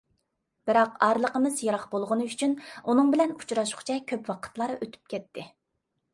بىراق ئارىلىقىمىز يىراق بولغىنى ئۈچۈن ئۇنىڭ بىلەن ئۇچراشقۇچە كۆپ ۋاقىتلار ئۆتۈپ كەتتى.